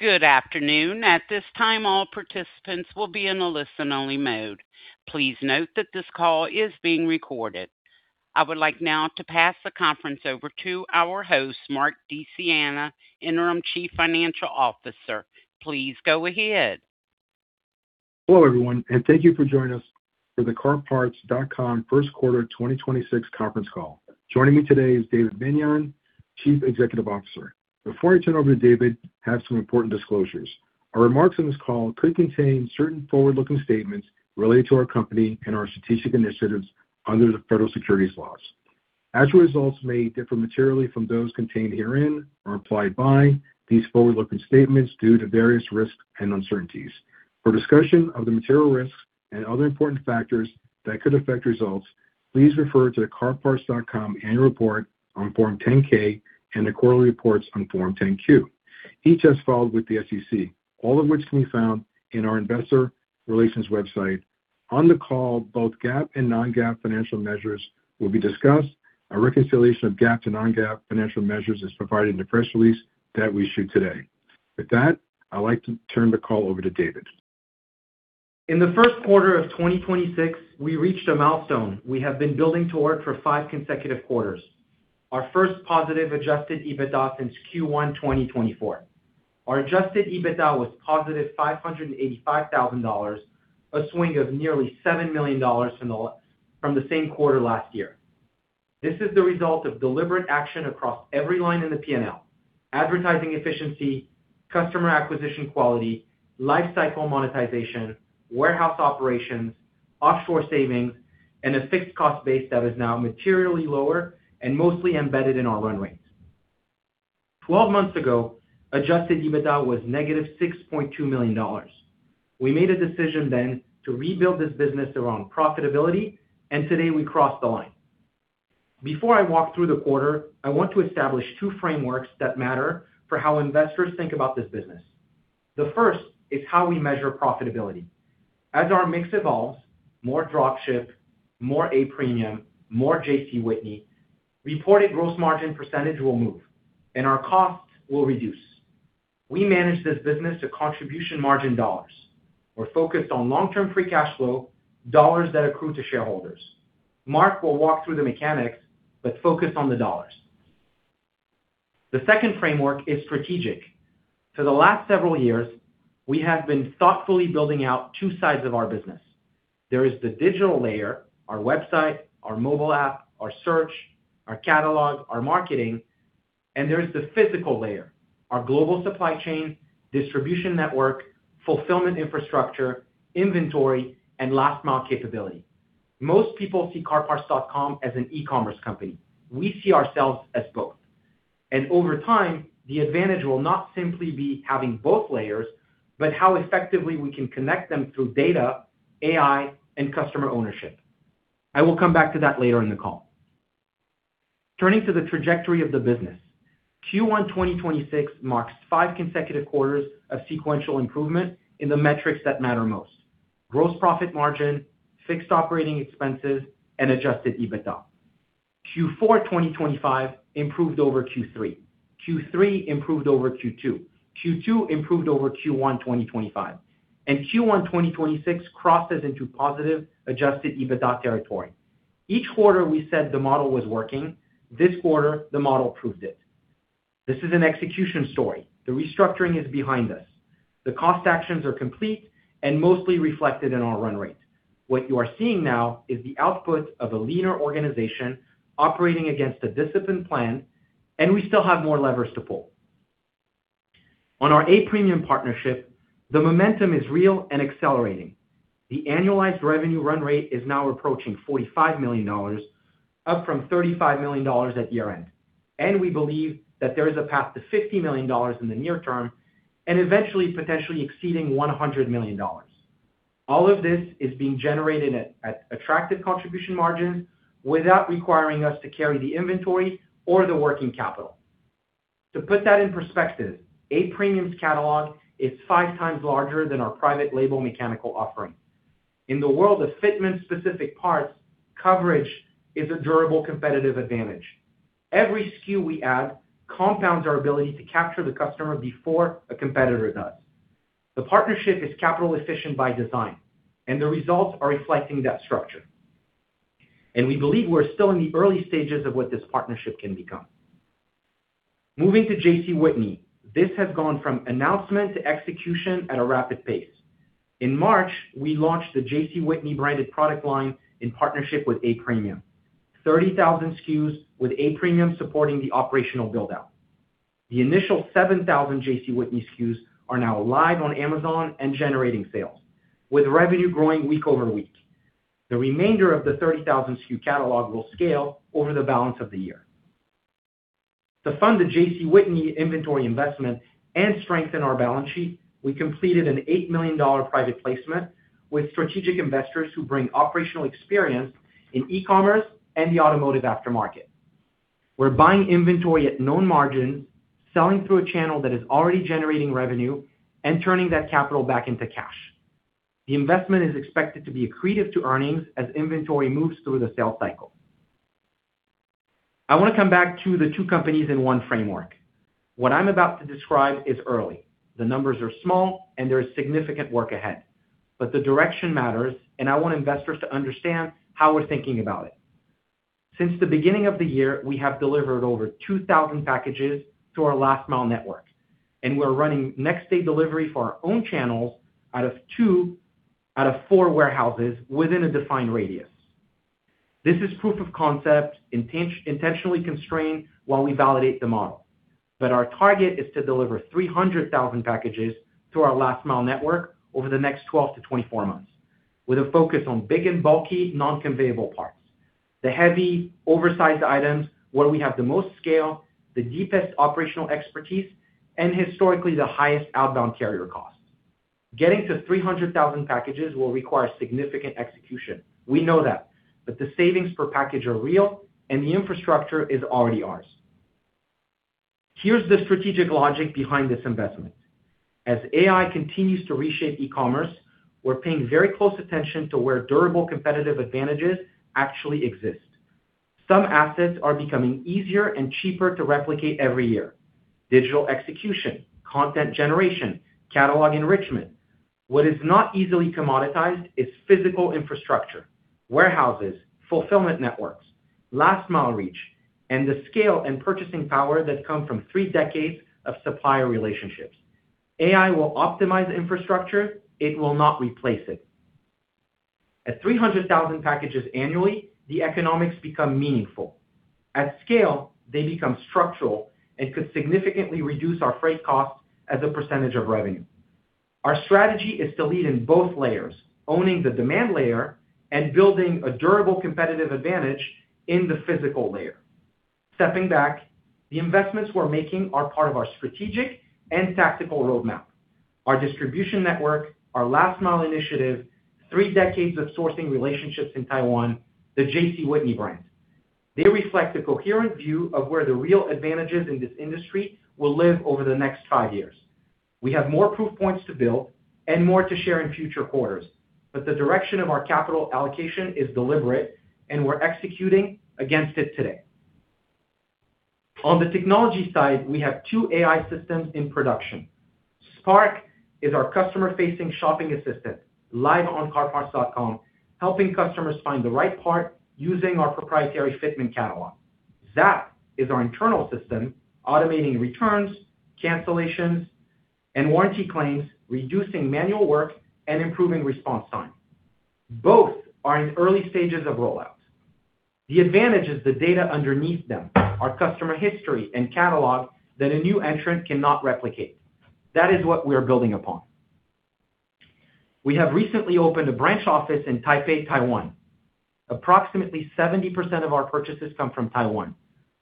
Good afternoon. At this time, all participants will be in a listen-only mode. Please note that this call is being recorded. I would like now to pass the conference over to our host, Mark DiSiena, Interim Chief Financial Officer. Please go ahead. Hello, everyone, and thank you for joining us for the CarParts.com first quarter 2026 conference call. Joining me today is David Meniane, Chief Executive Officer. Before I turn over to David, I have some important disclosures. Our remarks on this call could contain certain forward-looking statements related to our company and our strategic initiatives under the Federal Securities laws. Actual results may differ materially from those contained herein or implied by these forward-looking statements due to various risks and uncertainties. For a discussion of the material risks and other important factors that could affect results, please refer to the CarParts.com annual report on Form 10-K and the quarterly reports on Form 10-Q, each as filed with the SEC, all of which can be found in our investor relations website. On the call, both GAAP and non-GAAP financial measures will be discussed. A reconciliation of GAAP to non-GAAP financial measures is provided in the press release that we issued today. With that, I'd like to turn the call over to David. In the first quarter of 2026, we reached a milestone we have been building toward for five consecutive quarters. Our first positive adjusted EBITDA since Q1 2024. Our adjusted EBITDA was +$585,000, a swing of nearly $7 million from the same quarter last year. This is the result of deliberate action across every line in the P&L, advertising efficiency, customer acquisition quality, life cycle monetization, warehouse operations, offshore savings, and a fixed cost base that is now materially lower and mostly embedded in our run rates. 12 months ago, adjusted EBITDA was -$6.2 million. We made a decision then to rebuild this business around profitability, and today we crossed the line. Before I walk through the quarter, I want to establish two frameworks that matter for how investors think about this business. The first is how we measure profitability. As our mix evolves, more drop ship, more A-Premium, more JC Whitney, reported gross margin percentage will move, and our costs will reduce. We manage this business to contribution margin dollars. We're focused on long-term free cash flow, dollars that accrue to shareholders. Mark will walk through the mechanics, focus on the dollars. The second framework is strategic. For the last several years, we have been thoughtfully building out two sides of our business. There is the digital layer, our website, our mobile app, our search, our catalog, our marketing. There's the physical layer, our global supply chain, distribution network, fulfillment infrastructure, inventory, and last mile capability. Most people see CarParts.com as an e-commerce company. We see ourselves as both. Over time, the advantage will not simply be having both layers, but how effectively we can connect them through data, AI, and customer ownership. I will come back to that later in the call. Turning to the trajectory of the business. Q1 2026 marks five consecutive quarters of sequential improvement in the metrics that matter most. Gross profit margin, fixed operating expenses, and adjusted EBITDA. Q4 2025 improved over Q3. Q3 improved over Q2. Q2 improved over Q1 2025, and Q1 2026 crosses into positive adjusted EBITDA territory. Each quarter we said the model was working. This quarter, the model proved it. This is an execution story. The restructuring is behind us. The cost actions are complete and mostly reflected in our run rate. What you are seeing now is the output of a leaner organization operating against a disciplined plan, and we still have more levers to pull. On our A-Premium partnership, the momentum is real and accelerating. The annualized revenue run rate is now approaching $45 million, up from $35 million at year-end. We believe that there is a path to $50 million in the near term and eventually potentially exceeding $100 million. All of this is being generated at attractive contribution margins without requiring us to carry the inventory or the working capital. To put that in perspective, A-Premium's catalog is five times larger than our private label mechanical offering. In the world of fitment-specific parts, coverage is a durable competitive advantage. Every SKU we add compounds our ability to capture the customer before a competitor does. The partnership is capital efficient by design, and the results are reflecting that structure. We believe we're still in the early stages of what this partnership can become. Moving to JC Whitney. This has gone from announcement to execution at a rapid pace. In March, we launched the JC Whitney branded product line in partnership with A-Premium. 30,000 SKUs with A-Premium supporting the operational build-out. The initial 7,000 JC Whitney SKUs are now live on Amazon and generating sales, with revenue growing week over week. The remainder of the 30,000 SKU catalog will scale over the balance of the year. To fund the JC Whitney inventory investment and strengthen our balance sheet, we completed an $8 million private placement with strategic investors who bring operational experience in e-commerce and the automotive aftermarket. We're buying inventory at known margins, selling through a channel that is already generating revenue, and turning that capital back into cash. The investment is expected to be accretive to earnings as inventory moves through the sales cycle. I want to come back to the two companies in one framework. What I'm about to describe is early. The numbers are small, and there is significant work ahead. The direction matters, and I want investors to understand how we're thinking about it. Since the beginning of the year, we have delivered over 2,000 packages to our last mile network, and we're running next day delivery for our own channels out of two out of four warehouses within a defined radius. This is proof of concept, intentionally constrained while we validate the model. Our target is to deliver 300,000 packages to our last mile network over the next 12-24 months with a focus on big and bulky, non-conveyable parts. The heavy, oversized items where we have the most scale, the deepest operational expertise, and historically, the highest outbound carrier costs. Getting to 300,000 packages will require significant execution. We know that. The savings per package are real, and the infrastructure is already ours. Here's the strategic logic behind this investment. As AI continues to reshape e-commerce, we're paying very close attention to where durable competitive advantages actually exist. Some assets are becoming easier and cheaper to replicate every year. Digital execution, content generation, catalog enrichment. What is not easily commoditized is physical infrastructure, warehouses, fulfillment networks, last mile reach, and the scale and purchasing power that come from three decades of supplier relationships. AI will optimize infrastructure, it will not replace it. At 300,000 packages annually, the economics become meaningful. At scale, they become structural and could significantly reduce our freight cost as a percentage of revenue. Our strategy is to lead in both layers, owning the demand layer and building a durable competitive advantage in the physical layer. Stepping back, the investments we're making are part of our strategic and tactical roadmap. Our distribution network, our Last Mile Initiative, three decades of sourcing relationships in Taiwan, the JC Whitney brand. They reflect a coherent view of where the real advantages in this industry will live over the next five years. We have more proof points to build and more to share in future quarters, but the direction of our capital allocation is deliberate, and we're executing against it today. On the technology side, we have two AI systems in production. Spark is our customer-facing shopping assistant live on CarParts.com, helping customers find the right part using our proprietary fitment catalog. Zap is our internal system automating returns, cancellations, and warranty claims, reducing manual work and improving response time. Both are in early stages of rollout. The advantage is the data underneath them, our customer history and catalog that a new entrant cannot replicate. That is what we are building upon. We have recently opened a branch office in Taipei, Taiwan. Approximately 70% of our purchases come from Taiwan,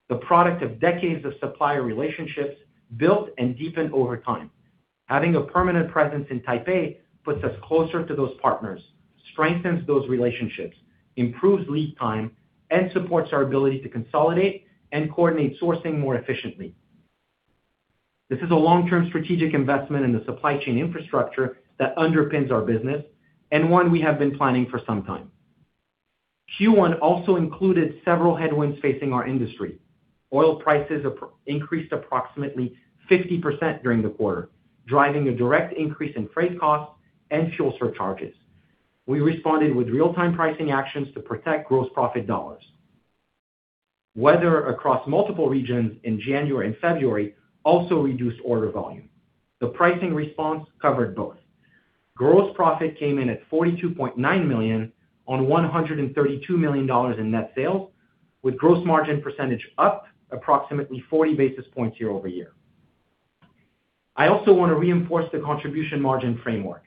the product of decades of supplier relationships built and deepened over time. Having a permanent presence in Taipei puts us closer to those partners, strengthens those relationships, improves lead time, and supports our ability to consolidate and coordinate sourcing more efficiently. This is a long-term strategic investment in the supply chain infrastructure that underpins our business and one we have been planning for some time. Q1 also included several headwinds facing our industry. Oil prices increased approximately 50% during the quarter, driving a direct increase in freight costs and fuel surcharges. We responded with real-time pricing actions to protect gross profit dollars. Weather across multiple regions in January and February also reduced order volume. The pricing response covered both. Gross profit came in at $42.9 million on $132 million in net sales, with gross margin percentage up approximately 40 basis points year-over-year. I also want to reinforce the contribution margin framework.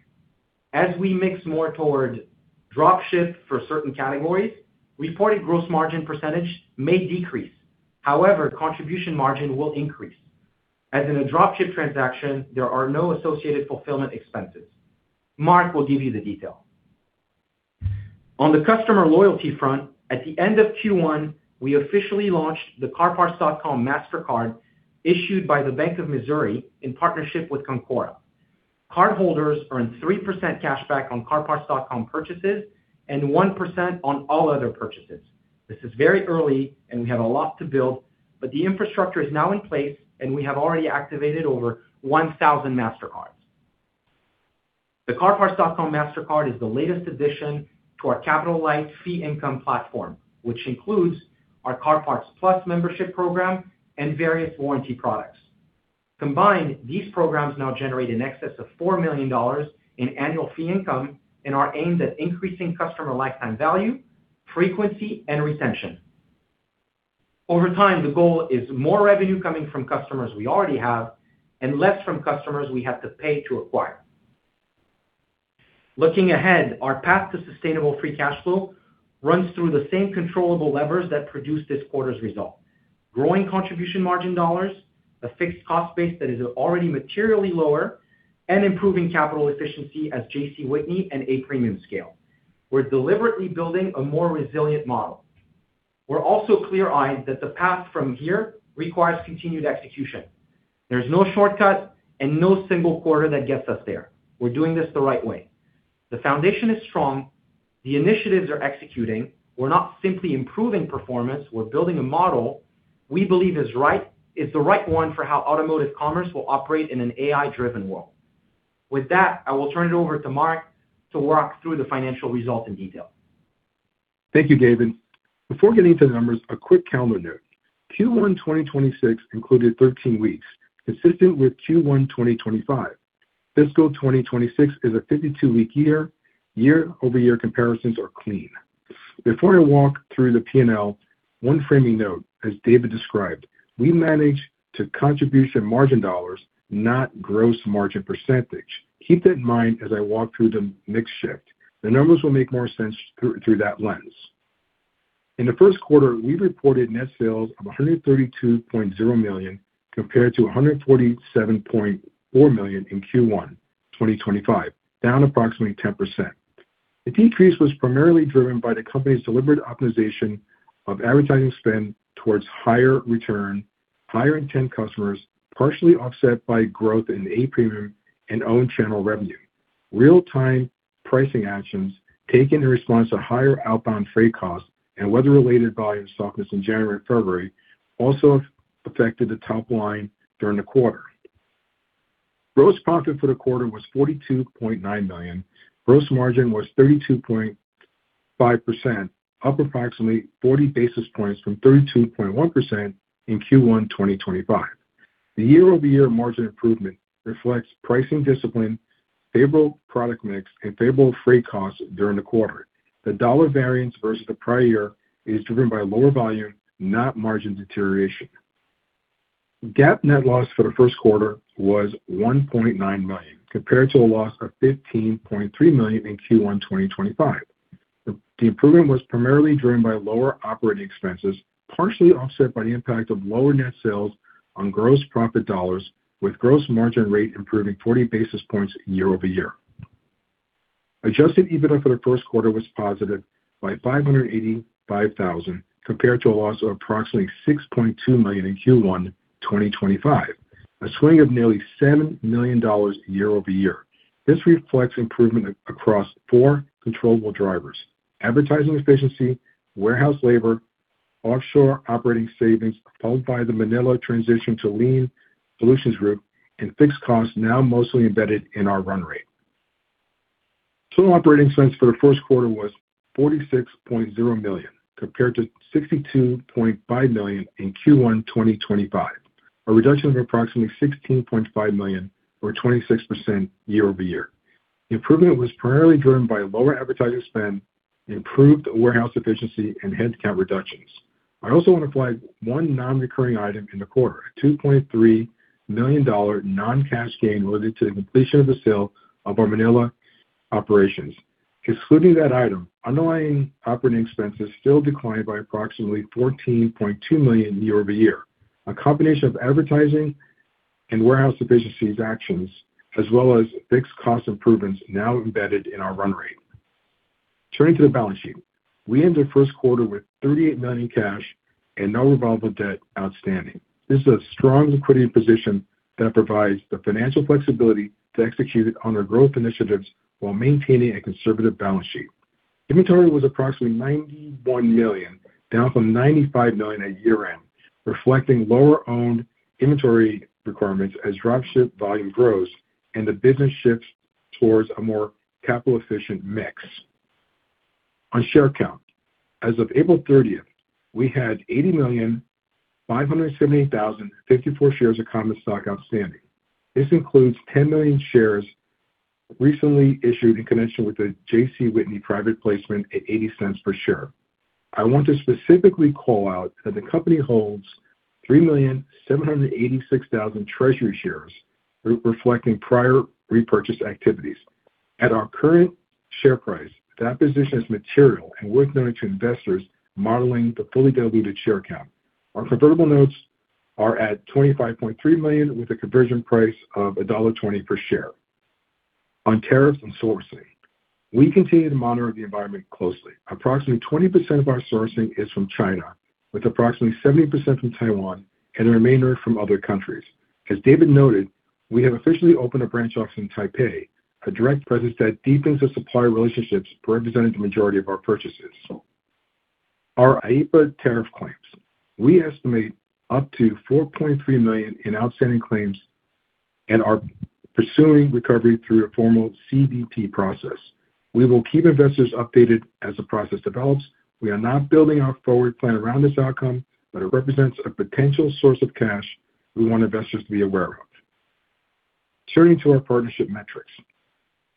As we mix more toward drop ship for certain categories, reported gross margin percentage may decrease. However, contribution margin will increase. As in a drop ship transaction, there are no associated fulfillment expenses. Mark will give you the detail. On the customer loyalty front, at the end of Q1, we officially launched the CarParts.com Mastercard issued by the Bank of Missouri in partnership with Concora. Cardholders earn 3% cashback on CarParts.com purchases and 1% on all other purchases. This is very early, and we have a lot to build, but the infrastructure is now in place, and we have already activated over 1,000 Mastercards. The CarParts.com Mastercard is the latest addition to our capital-light fee income platform, which includes our CarParts+ membership program and various warranty products. Combined, these programs now generate in excess of $4 million in annual fee income and are aimed at increasing customer lifetime value, frequency, and retention. Over time, the goal is more revenue coming from customers we already have and less from customers we have to pay to acquire. Looking ahead, our path to sustainable free cash flow runs through the same controllable levers that produce this quarter's result. Growing contribution margin dollars, a fixed cost base that is already materially lower, and improving capital efficiency as JC Whitney and A-Premium scale. We're deliberately building a more resilient model. We're also clear-eyed that the path from here requires continued execution. There's no shortcut and no single quarter that gets us there. We're doing this the right way. The foundation is strong. The initiatives are executing. We're not simply improving performance, we're building a model we believe is the right one for how automotive commerce will operate in an AI-driven world. With that, I will turn it over to Mark to walk through the financial results in detail. Thank you, David. Before getting to the numbers, a quick calendar note. Q1 2026 included 13 weeks, consistent with Q1 2025. Fiscal 2026 is a 52-week year. Year-over-year comparisons are clean. Before I walk through the P&L, one framing note, as David described, we manage to contribution margin dollars, not gross margin percentage. Keep that in mind as I walk through the mix shift. The numbers will make more sense through that lens. In the first quarter, we reported net sales of $132.0 million compared to $147.4 million in Q1 2025, down approximately 10%. The decrease was primarily driven by the company's deliberate optimization of advertising spend towards higher return, higher intent customers, partially offset by growth in A-Premium and own channel revenue. Real-time pricing actions taken in response to higher outbound freight costs and weather-related volume softness in January and February also affected the top line during the quarter. Gross profit for the quarter was $42.9 million. Gross margin was 32.5%, up approximately 40 basis points from 32.1% in Q1 2025. The year-over-year margin improvement reflects pricing discipline, favorable product mix, and favorable freight costs during the quarter. The dollar variance versus the prior year is driven by lower volume, not margin deterioration. GAAP net loss for the first quarter was $1.9 million, compared to a loss of $15.3 million in Q1 2025. The improvement was primarily driven by lower operating expenses, partially offset by the impact of lower net sales on gross profit dollars, with gross margin rate improving 40 basis points year-over-year. Adjusted EBITDA for the first quarter was positive by $585,000, compared to a loss of approximately $6.2 million in Q1 2025. A swing of nearly $7 million year-over-year. This reflects improvement across four controllable drivers: advertising efficiency, warehouse labor, offshore operating savings propelled by the Manila transition to Lean Solutions Group, and fixed costs now mostly embedded in our run rate. Total operating expense for the first quarter was $46.0 million, compared to $62.5 million in Q1 2025. A reduction of approximately $16.5 million or 26% year-over-year. The improvement was primarily driven by lower advertising spend, improved warehouse efficiency, and headcount reductions. I also want to flag one non-recurring item in the quarter, a $2.3 million non-cash gain related to the completion of the sale of our Manila operations. Excluding that item, underlying operating expenses still declined by approximately $14.2 million year-over-year. A combination of advertising and warehouse efficiencies actions, as well as fixed cost improvements now embedded in our run rate. Turning to the balance sheet. We ended first quarter with $38 million cash and no revolving debt outstanding. This is a strong liquidity position that provides the financial flexibility to execute on our growth initiatives while maintaining a conservative balance sheet. Inventory was approximately $91 million, down from $95 million at year-end, reflecting lower owned inventory requirements as drop ship volume grows and the business shifts towards a more capital-efficient mix. On share count. As of April 30th, we had 80,570,054 shares of common stock outstanding. This includes 10 million shares recently issued in connection with the JC Whitney private placement at $0.80 per share. I want to specifically call out that the company holds 3,786,000 treasury shares re-reflecting prior repurchase activities. At our current share price, that position is material and worth noting to investors modeling the fully diluted share count. Our convertible notes are at $25.3 million, with a conversion price of $1.20 per share. On tariff and sourcing. We continue to monitor the environment closely. Approximately 20% of our sourcing is from China, with approximately 70% from Taiwan and the remainder from other countries. As David noted, we have officially opened a branch office in Taipei, a direct presence that deepens the supplier relationships representing the majority of our purchases. Our EAPA tariff claims. We estimate up to $4.3 million in outstanding claims and are pursuing recovery through a formal CBP process. We will keep investors updated as the process develops. We are not building our forward plan around this outcome, but it represents a potential source of cash we want investors to be aware of. Turning to our partnership metrics.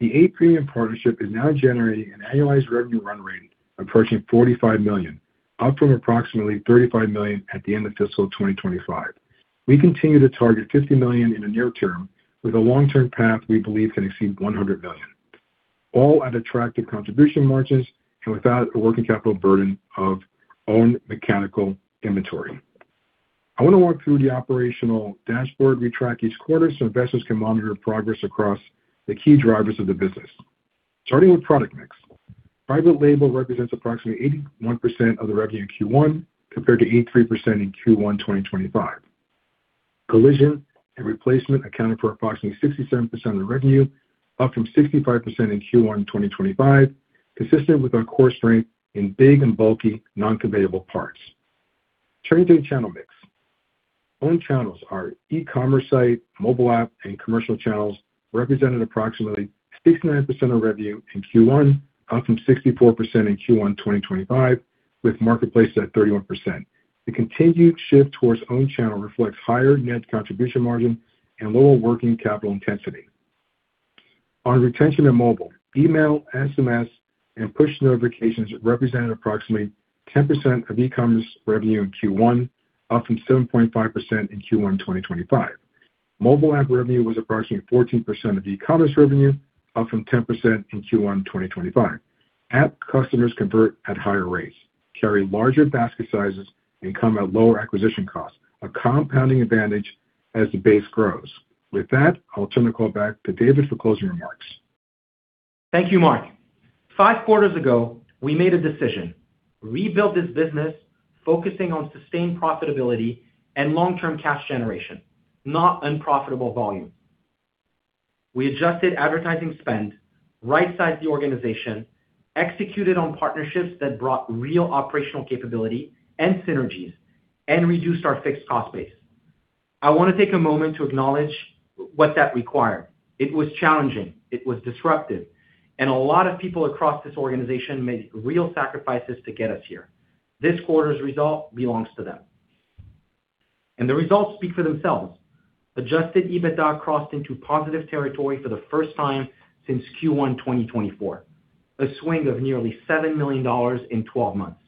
The A-Premium partnership is now generating an annualized revenue run rate approaching $45 million, up from approximately $35 million at the end of fiscal 2025. We continue to target $50 million in the near term with a long-term path we believe can exceed $100 million, all at attractive contribution margins and without a working capital burden of owned mechanical inventory. I wanna walk through the operational dashboard we track each quarter, so investors can monitor progress across the key drivers of the business. Starting with product mix. private label represents approximately 81% of the revenue in Q1, compared to 83% in Q1 2025. Collision and replacement accounted for approximately 67% of the revenue, up from 65% in Q1 2025, consistent with our core strength in big and bulky non-conveyable parts. Turning to channel mix. Own channels, our e-commerce site, mobile app, and commercial channels represented approximately 69% of revenue in Q1, up from 64% in Q1 2025, with marketplace at 31%. The continued shift towards own channel reflects higher net contribution margin and lower working capital intensity. On retention and mobile, email, SMS, and push notifications represented approximately 10% of e-commerce revenue in Q1, up from 7.5% in Q1 2025. Mobile app revenue was approximately 14% of e-commerce revenue, up from 10% in Q1 2025. App customers convert at higher rates, carry larger basket sizes, and come at lower acquisition costs, a compounding advantage as the base grows. With that, I'll turn the call back to David for closing remarks. Thank you, Mark. Five quarters ago, we made a decision. Rebuild this business, focusing on sustained profitability and long-term cash generation, not unprofitable volume. We adjusted advertising spend, right-sized the organization, executed on partnerships that brought real operational capability and synergies, and reduced our fixed cost base. I wanna take a moment to acknowledge what that required. It was challenging, it was disruptive, and a lot of people across this organization made real sacrifices to get us here. This quarter's result belongs to them. The results speak for themselves. Adjusted EBITDA crossed into positive territory for the first time since Q1 2024, a swing of nearly $7 million in 12 months.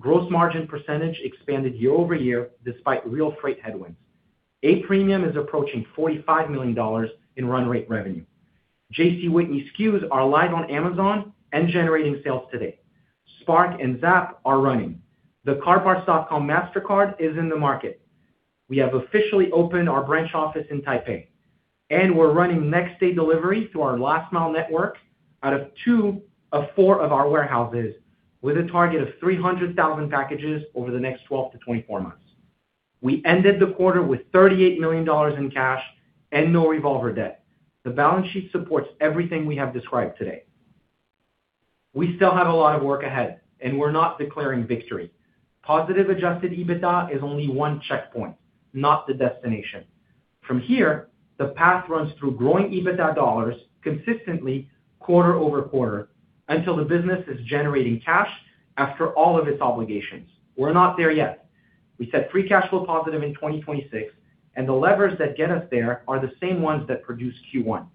Gross margin percentage expanded year-over-year despite real freight headwinds. A-Premium is approaching $45 million in run rate revenue. JC Whitney SKUs are live on Amazon and generating sales today. Spark and Zap are running. The CarParts.com Mastercard is in the market. We have officially opened our branch office in Taipei. We're running next-day delivery through our last mile network out of two of four of our warehouses with a target of 300,000 packages over the next 12 to 24 months. We ended the quarter with $38 million in cash and no revolver debt. The balance sheet supports everything we have described today. We still have a lot of work ahead. We're not declaring victory. Positive adjusted EBITDA is only one checkpoint, not the destination. From here, the path runs through growing EBITDA dollars consistently quarter-over-quarter until the business is generating cash after all of its obligations. We're not there yet. We said free cash flow positive in 2026. The levers that get us there are the same ones that produce Q1.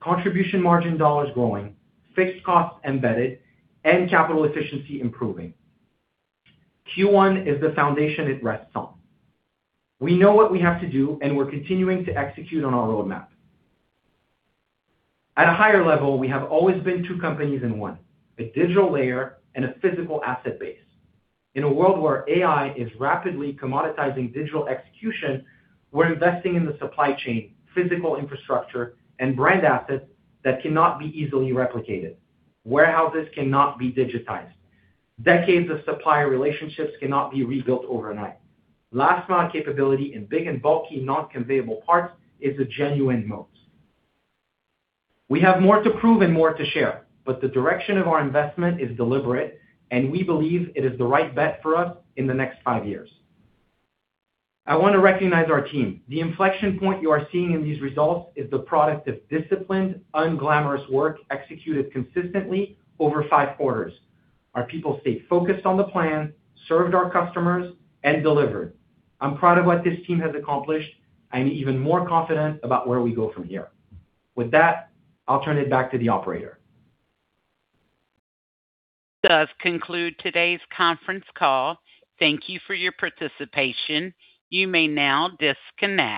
Contribution margin dollars growing, fixed costs embedded, and capital efficiency improving. Q1 is the foundation it rests on. We know what we have to do, and we're continuing to execute on our roadmap. At a higher level, we have always been two companies in one: a digital layer and a physical asset base. In a world where AI is rapidly commoditizing digital execution, we're investing in the supply chain, physical infrastructure, and brand assets that cannot be easily replicated. Warehouses cannot be digitized. Decades of supplier relationships cannot be rebuilt overnight. Last mile capability in big and bulky non-conveyable parts is a genuine moat. We have more to prove and more to share, but the direction of our investment is deliberate, and we believe it is the right bet for us in the next five years. I want to recognize our team. The inflection point you are seeing in these results is the product of disciplined, unglamorous work executed consistently over five quarters. Our people stayed focused on the plan, served our customers, and delivered. I'm proud of what this team has accomplished. I'm even more confident about where we go from here. With that, I'll turn it back to the operator. This does conclude today's conference call. Thank you for your participation. You may now disconnect.